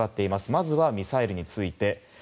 まずはミサイルについて。